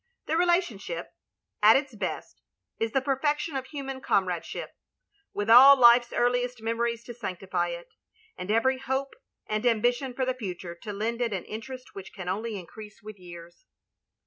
The relationship, at its best, is the perfection of human comradeship; with all life's earliest memories to sanctify it, and every hope and am bition for the future to lend it an interest which can only increase with years.